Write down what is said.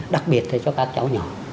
đặc biệt là cho các cháu nhỏ